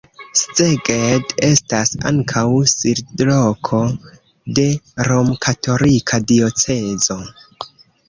Szeged estas ankaŭ sidloko de romkatolika diocezo.